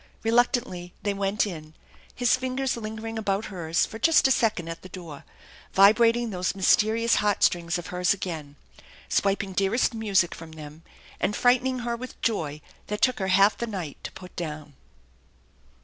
Eeluctantly they went in, his fingers lingering about hers for just a second at the door, vibrating those mysterious heart strings of hers again, sweeping dearest music from them, and frightening her with joy that took her half the night to put down.